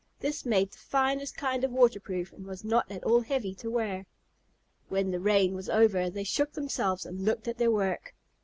This made the finest kind of waterproof and was not at all heavy to wear. When the rain was over they shook themselves and looked at their work.